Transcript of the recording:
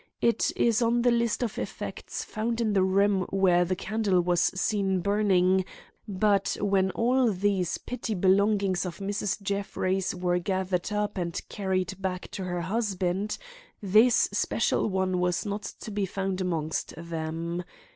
It is on the list of effects found in the room where the candle was seen burning; but when all these petty belongings of Mrs. Jeffrey's were gathered up and carried back to her husband, this special one was not to be found amongst them.